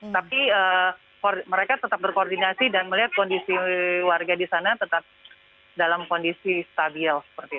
tapi mereka tetap berkoordinasi dan melihat kondisi warga di sana tetap dalam kondisi stabil